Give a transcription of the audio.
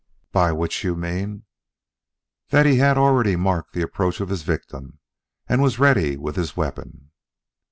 "By which you mean " "That he had already marked the approach of his victim and was ready with his weapon."